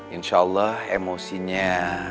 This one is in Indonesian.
insya allah emosinya